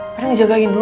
pernah ngejagain lo